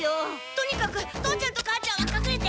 とにかく父ちゃんと母ちゃんはかくれて。